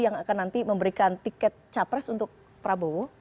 yang akan nanti memberikan tiket capres untuk prabowo